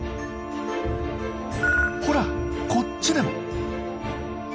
ほらこっちでも。